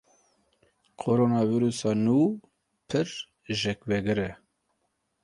Koronavîrusa nû pir jêkvegir e.